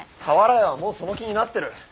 俵屋はもうその気になってる。